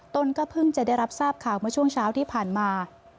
ตนก็เพิ่งจะได้รับทราบข่าวเมื่อช่วงเช้าที่ผ่านมา